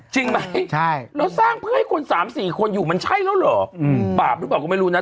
จริงไหมเราสร้างเพื่อให้คน๓๔คนอยู่มันใช่แล้วเหรอบาปหรือเปล่าก็ไม่รู้นะ